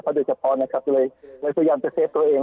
โดยเฉพาะนะครับเลยพยายามจะเฟฟตัวเอง